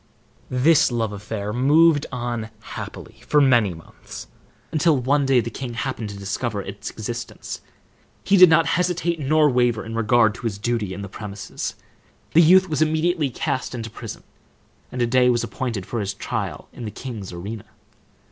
This love affair moved on happily for many months, until one day the king happened to discover its existence. He did not hesitate nor waver in regard to his duty in the premises. The youth was immediately cast into prison, and a day was appointed for his trial in the king's arena.